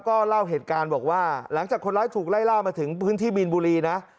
ก็เล่าเหตุการณ์บอกว่าหลังจากคนร้ายถูกไล่ล่ามาถึงพื้นที่มีนบุรีนะ